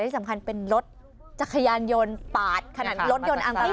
ที่สำคัญเป็นรถจักรยานยนต์ปาดขนาดรถยนต์อันตราย